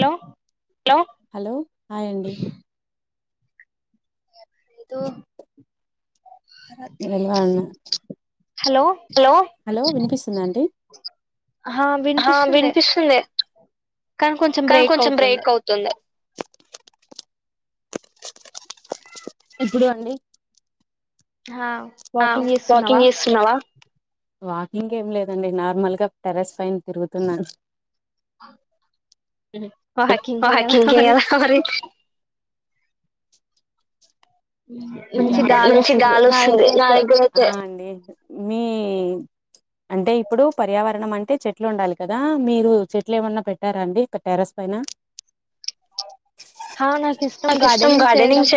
లో లొ హలో ఆయండి దు హలో హలో వినిపిస్తుంది అండి ఆ వినిపిస్తుందె కాన్ కొంచెం బ్రేక్ అవుతుంది ఇప్పుడు అండి హా అ వాకింగ్ ఏస్సున్నవా వాకింగ్ ఏం లేదండి నార్మల్గా టెరెస్ పైన్ తిరుగుతున్నా వాకింగే కదా మరి చి గాలి ఒస్సుంది నా దగ్గరైతే ఆ అండి [inaudible] మీ అంటే ఇప్పుడు పర్యావరణం అంటే చెట్లు ఉండాలి కదా మీరు చెట్లు ఏమన్నా పెట్టారా అండి ఇ టెరస్ పైన హా నాకిష్టం గార్డెనింగ్ చేయ్డం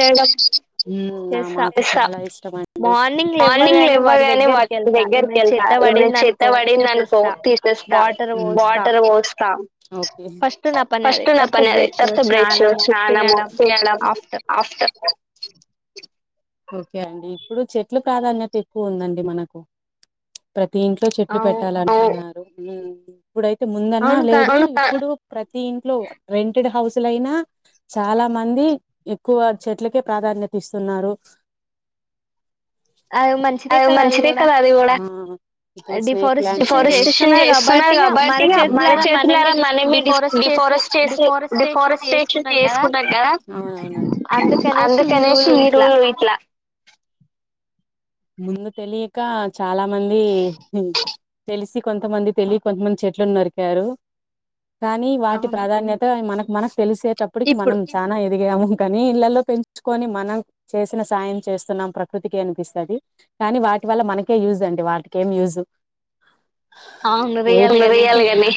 ఉమ న మ చాలా ఇష్టమండి మార్నింగ్ లెవ్వగానే వాటి దగ్గరికి ఎళ్తా ఏమైనా చేత్త పడిందనుకో తీసేస్తా వాటర్ పోస్త కే ఫస్ట్ న పనది తర్వత బ్రెష్, స్నానము, తినడం ఆఫ్టర్ ఓకే అండి ఇప్పుడు చెట్లు ప్రాధాన్యత ఎక్కువ ఉందండి మనకు ప్రత్ దీంట్లో చెట్లు పెట్టాల అంటకు ఔన్ న్నారు ఉ ప్పుడైతే ముందన్నా లేదు ఇప్పుడు ప్ర దీంట్లొ రెంటెడ్ హౌస్ లైనా చాలా మంది ఎక్కువ చెట్లకే ప్రాధాన్యత ఇస్తున్నారు అది మంచిదే కదా అది గుడా డిఫారెస్టేషన్ చేస్తున్నార్ కాబట్టి మన చేతులర మనమే డిఫారెస్ట్ చేసి డిఫారెస్టేషన్ చేస్కున్నా గదా అందుకనేశి ఈరు ముందు తెలియకా చాలా మందీ ఉ తెలిసి కొంతమంది తెలిక్ కొంతమంది చెట్లు నరికారు కానీ వాటి ప్రాధాన్యత మన మనస్ తెలిసేటప్పటికి మనం చానా ఎ అదిగాము కనీ ఇళ్లలో పెంచుకొని మనం చేసిన సాయం చేస్తున్నాం ప్రకృతికి అనిపిస్తది కానీ వాటి వల్ల మనకే యూస్ అండి వాటికి ఏం యూస్ రియల్ గానే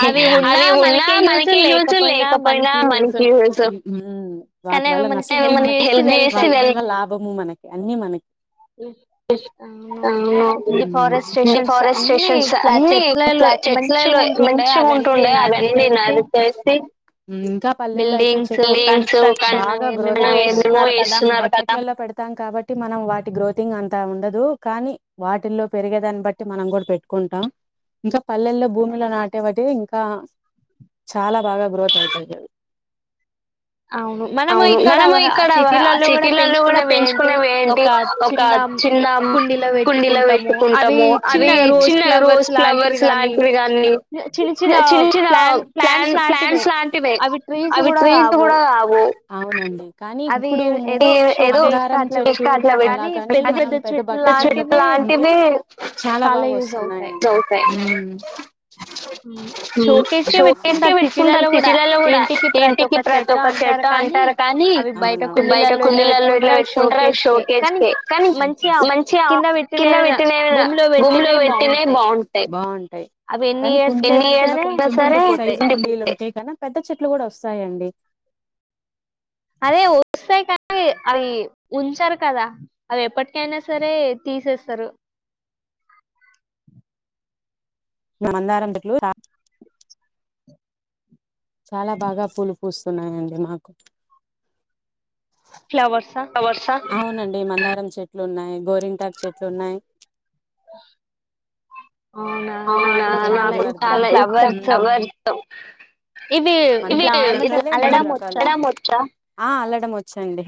అవి ఉన్నా మనకే యూస్ లేకపోయినా మనకే యూస్ యూ వాటి వల్ల నష్టం మనకే వాటి వల్ల లాభము మనకే అన్ని మనకే అవును డిఫారెస్టేషన్స్ అన్ని ఇట్ల చెట్లను మంచిగ ఉంటుండే అవన్నీ నరికేసి పల్లెల్లో అయితే చెట్లు బాగా గ్రోత్ అవుతాయి [unintelligible] పెడతాం కాబట్టి మనం వాటి గ్రోతింగ్ ఆన్ అంత ఉండదు కానీ వాటిల్లో పెరిగేదాన్ని బట్టి మనం కూడా పెట్టుకుంటాం ఇంకా పల్లెల్లో భూమిలో నాటే వాటివి ఇంకా చాలా బాగా గ్రోత్ అవుతాయి అవి అవును మనము ఇక్కడ వహ సిటీలలో కూడా పెంచుకునేవి ఏంటి ఒక చిన్న చిన్న కుండీలో పెట్టుకుంటాము అవి చిన్న రోజ్ ఫ్లవర్స్ లాంటివి కాన్ని చిన్న చిన్న ప్లాన్ ప్లాంట్స్ లాంటివే అవి ట్రీస్ కూడా కావు ఓ అవును హు కానీ ఇప్పుడు ము మందారం చెట్టు అలా కానీ మనం పెద్ద బకెట్లలో పెట్టుకుంటే చాలా బాగా వస్తున్నాయండీ యూ యూ షోకేస్ కె పెట్టుకుంటారు సిటీలలో కూడా ఇంటికి ప్రతి ఒక్క చెట్టు అంటారు కానీ బయట కుండీలలో ఇట్ల పెట్టుకుంటారు షోకేస్ కే కానీ మంచిగా ఆ కింద పెట్టినవే భూములు భూమిలో పెట్టినవే బాగుంటాయి పెద్ద చెట్లు కూడా వస్తాయి అండి అదే వస్తాయి కానీ అవి ఉంచరు కదా అవి ఎప్పటికైనా సరే తీసేస్తారు న మందారం చెట్లు ఆ చాలా బాగా పూలు పూస్తున్నాయండి మాకు అవునండి మందారం చేట్ లున్నాయి గోరింటాక చెట్లు ఉన్నాయి మందారం రకాలే మూడు రకాలు ఆ అల్లడం వచ్చు అండి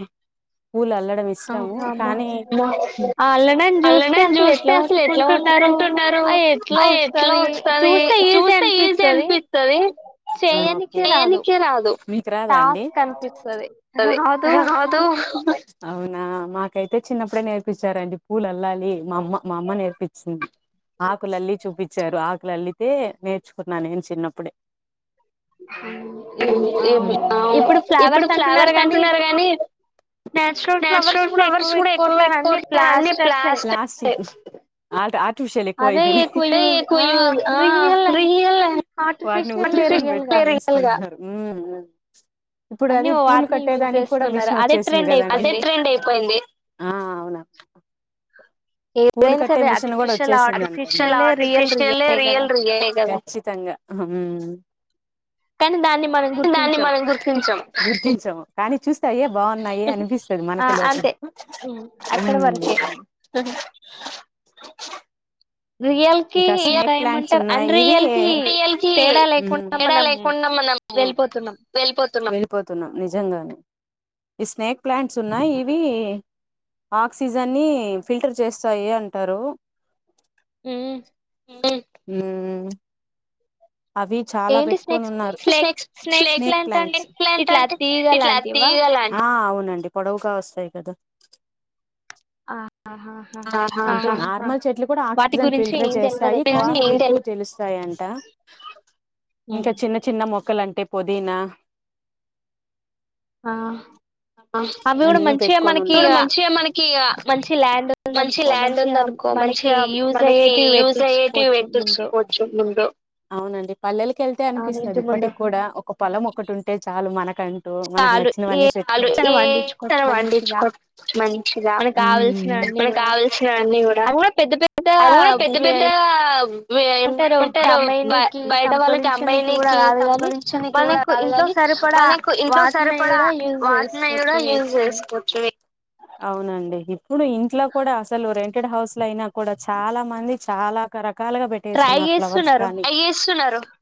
అల్లడం చూస్తే అసలు ఎట్ల ముట్టుకుంటున్నారు అ ఎట్ల వస్తాది చూస్తే ఈజీ అనిపిస్తది దేని నికి రాదు అది రాదు అవునా మాకు అయితే చిన్నప్పుడే నేర్పించారండి పూలు అల్ అల్లాలి మా అమ్మ మా అమ్మ నేర్పించింది అక్ ఆకులల్లి చూపించారు ఆకులు అల్లితే నేర్చుకున్న నేను చిన్నప్పుడే అవును ఇప్పుడు ఫ్లవర్స్ అంటున్నారు కానీ నాచురల్ ఫ్లవర్స్ కూడా ఎక్కువ పెట్టుకోవట్లేదు అన్ని ప్లాస్ట్ ఏ తుషాలే అవే ఎక్కువ యూస్ ఆ రియల్ మ్మ్ ఇప్పుడు అది పూలు కట్టేదానికి కూడా మిషన్ వచ్చేసింది కదండీ అదే ట్రెండ్ అయిపోయింది అవును పూలు కట్టే మిషన్ కూడా వచ్చేసి ఆర్టిఫిషియల్ రియల్ రియల్ కదా హ్మ్మ్ గుర్తించము కానీ చూస్తే అయే బాగున్నాయి అనిపిస్తుంది మనకి లోకం రియల్ కి తేడా లేకుండా మనం వెళ్ళిపోతున్నాం ఈ స్నేక్ ప్లాంట్స్ ఉన్నాయి ఇవి ఆక్సిజన్ని ఫిల్టర్ చేస్తాయి అంటారు మ్మ్ మ్మ్ అవి చాలా పెట్టుకొని ఉన్నారు. స్నేక్ ప్లాంట్స్ ఆ అవును పొడవుగా వస్తాయి కదా నార్మల్ చెట్లు కూడా ఆక్సిజన్ ఫిల్టర్ చేస్తాయి కానీ [inaudible] తెలుస్తాయంట ఇంకా చిన్న చిన్న మొ క్కలంటే పుదీనా ఇప్పుడు మంచిగా మనకి ఆ మంచి ల్యాండ్ ఉంది అనుకో మంచిగా మనకి యూజ్ అయ్యేటివి వెట్టిచ్చుకోవచ్చు అవునండి పల్లెలకి వెళ్తే అనిపిస్తది ఇప్పటికి కూడా ఒక పొలం ఒకటి ఉంటే చాలు మనకు ఏ [unintelligible] పండించుకో మంచిగా మనకు కావాల్సినవన్ని కూడా అవి కూడా పెద్ద పెద్ద ఏమంటారు బ బయట వాళ్ళకి అబ్బాయినికి సంపాదించనికి కూడా రాదు కానీ వాళ్ళకు ఇంట్లో సరిపడా [unintelligible] కూడా యూజ్ చేసుకోవచ్చు అవునండి ఇప్పుడు ఇంట్లో కూడా అసలు రెంటెడ్ హౌస్ లో అయినా కూడా చాలా మంది చాలా కరక్ రకాలుగా పెట్టేస్తున్నారు ఫ్లవర్స్ కానీ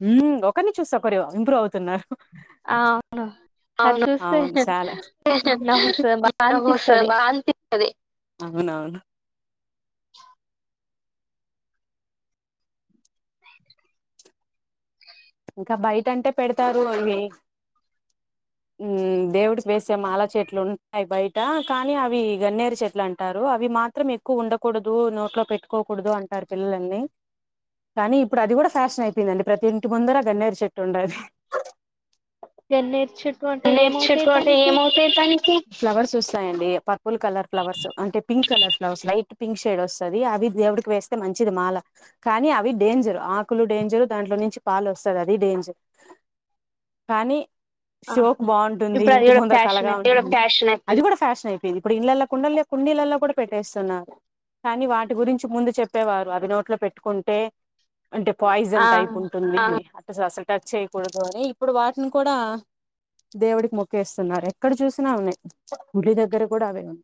మ్మ్ ఒకరిని చూసి ఒకరు ఇంప్రూవ్ అ తున్నారు అవును చాలా అదే మా నాన ఇంకా బయట అంటే పెడతారు అవి దేవుడికి వేసే మాల చెట్లు ఉంటాయి బయట కానీ అవి గన్నేరు చెట్లు అంటారు అవి మాత్రం ఎక్కువ ఉండకూడదు నోట్లో పెట్టుకోకూడదు అంటారు పిల్లలని కానీ ఇప్పుడు అది కూడా ఫ్యాషన్ అయిపోయిందండి ప్రతి ఇంటి ముందర గన్నేరు చెట్టు ఉండది నే చుట్టుంట ఏమవుతాయి దానికి ఫ్లవర్స్ వస్తాయండి ప ఫుల్ కలర్ ఫ్లవర్స్ అంటే pink colour light pink shade వస్తుంది అవి దేవుడికి వేస్తే మంచిది మాల కానీ అవి డేంజరు ఆకులు డేంజరు దాంట్లో నుంచి. పాలు వస్తడు అది డేంజర్ కానీ షోక్ బాగుంటుంది ఇంటి ముందర కలగా [inaudible] అది కూడా ఫ్యాషన్ అయిపోయిది ఇప్పుడు ఇళ్ళలో కుండల్లో కుండీళ్లల్లో కూడా పెట్టేస్తున్నారు కానీ వాటి గురించి ముందు చెప్పేవారు అది నోట్లో పెట్టుకుంటే. అంటే పాయి్జన్ టైప్ ఉంట అ అసలు టచ్ చేయ్యకూడదు అని ఇప్పుడు వాటిని కూడా దేవుడికి మొక్కేస్తున్నారు ఎక్కడ చూసినా అవిన్నాయి ఉలి దగ్గర కూడా అవే ఉన్నాయి.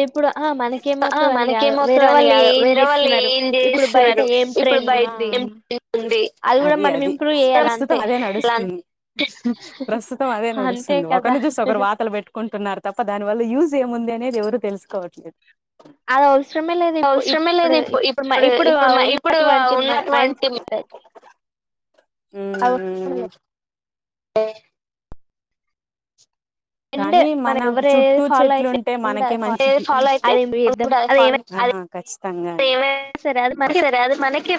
ఇప్పుడు ఆ మనకేమవుతుంది అని కాదు వేరే వాళ్ళు ఏం చేస్తున్నారు ఇప్పుడు బయట ఏం ట్రెండ్ ఉంది. అది అది ప్రం అదే నడుస్తుంది ప్రస్తుతం అదే నడుస్తుంది ఒకరిని చూసి ఒకరు వాతలు పెట్టుకుంటున్నారు తప్ప దాని వల్ల యూజ. ముంది అనేది ఎవరు తెలుసుకోవట్లేదు. అది అవసరమే లేదు ఇప్పు ఇప్పుడు ఇప్పుడు ఇప్పుడు ఉన్నటువంటి మైండ్ సెట్. ఉ స కానీ మన చుట్టూ చెట్లు ఉంటే మనకే మంచి అయితే ఖచ్చితంగా సేవ సరే అది మనకి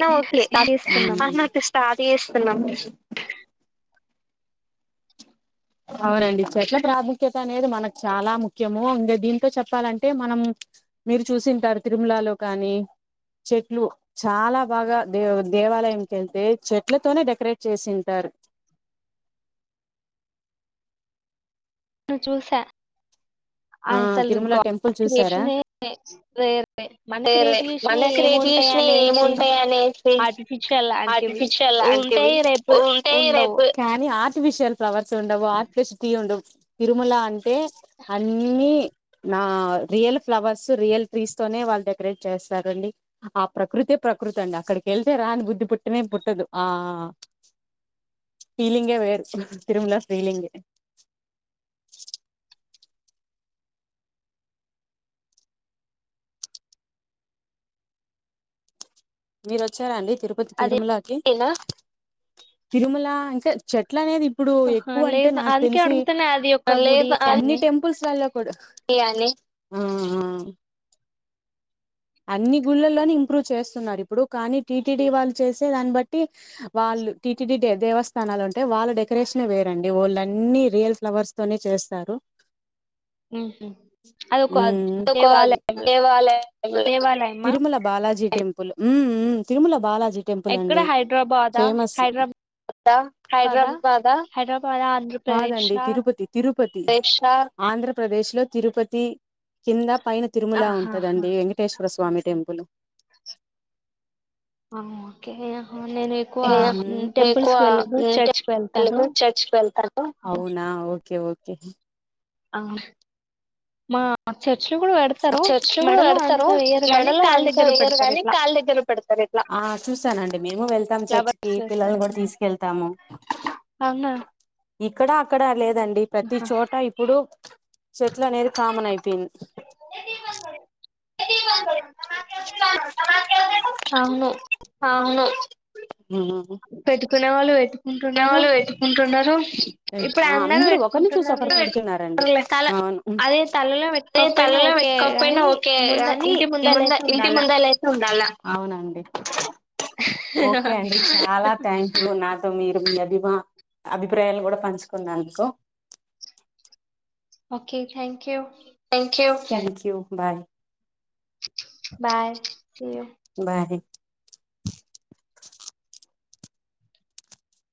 నా ఓకే నాకు ఇస్త అది చేస్తున్నా. అవునండి చెట్ల ప్రాముఖ్యత అనేది మనకు చాలా ముఖ్యము ఇంకా దీంతో చెప్పాలంటే మనం మీరు చూసింటారు తిరుమలలో కానీ చెట్లు చాలా బాగా దే దేవాలయంక వెళ్తే చెట్లతోనే డెకరేట్ చేసింటారు. నను చూసా ఆ తిరుమల టెంపుల్ చూసారా మ ఏల్ ఫ్లవర్స్ ఉవు టీ ఉవు. తిరుమల అంటే అ అన్ని నా రియల్ ఫ్లవర్స్ రియల్ ట్రీస్ తోనే వాళ్ళు డెకరేట్ చేస్తారండి ఆ ప్రకృతి ప్రకృతి అండి అక్కడికి వెళ్తే రాని బుద్ధి పుట్టటినే పుట్టదు ఆ ఫీలింగే వేరు తిరుమల ఫీలింగే. మీరు వచ్చారండి తిరుపతి తిరుమలకి తిరుమల ఇంకా చెట్ అట్లా అనేది ఇప్పుడు ఎక్కువ అంటే నాకు తెలిసి లే అన్ని టెంపుల్స్ వాళ్ళ. తీయాలి అన్ని గుళ్ళల్లో ఇంప్రూవ్ చేస్తున్నారు ఇప్పుడు కానీ టీటీడీ వాళ్ళు చేసే దాన్ని బట్టి వాళ్ళు టీటీడీ దేవస్థానాలు ఉంటే వాళ్ళ డెకరేషన్ వేరండి వాళ్ళున్ని రియల్ ఫ్లవర్స్ తోనే చేస్తారు. అది ఒక దేవాలయం తిరుమల బాలాజీకి పోల్ మ్ మ్ తిరుమల బాజీ టెపుల్ అండి ఫేమస్ హైదరాబా కాదండి తిరుపతి తిరుపతి ఆంధ్ర ప్రదేశ్లో తిరుపతి కింద పైన తిరుములా ఉంటదండి శ్వర స్వామి టెంపుల్ అనుఓకవ నేన్ ఎక్కువ టెంపుల్స్ కి వెళ్ళాను చర్చి కి వెళ్తాను అవునా ఓకేఓకే ఓకే అ మా చె చర్చి కూడా పెడతారు మెడలు అంత వేరు కానీ కాళ్ళ దగ్గర పెడతారు ఇట్లా ఆశూస్తానండి మేము వెళ్తాము చర్చి కి పిల్లలు కూడా తీసుకెళ్తాము ఇక్కడ అక్కడ అాలదు దండి ప్రతి చోట ఇప్పుడు చెట్లు అనేది కామన్ అయిపోయింది అవును పెట్టుకునే వాళ్ళు పెట్టు చిన్నవాళ్ళు వెతుకుంటున్నారు అందరు ఒకరిని చూసి ఒకరు పెడుతున్నడి అవును అే తలలో వెతుకోకపోయినా ఓకే ని ముంద ఇంటి ముందళ్ళయితే అవునండి ఓకే అండి చాలా థ్యాంక్ యూ నాక్ మీరు మీ అభిమా అభిప్రాయాలు కూడా పంచుకున్నందుకుసో okay thank thank you thank you bye bye Cu